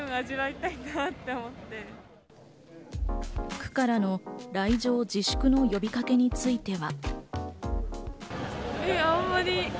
区からの来訪自粛の呼びかけについては。